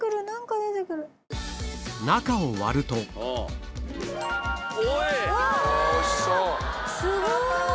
中を割るとうわすごい！